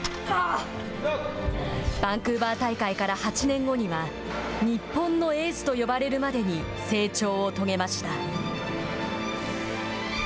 バンクーバー大会から８年後には日本のエースと呼ばれるまでに成長を遂げました。